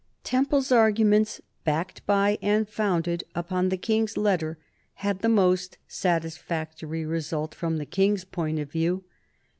Temple's arguments, backed by and founded upon the King's letter, had the most satisfactory result from the King's point of view.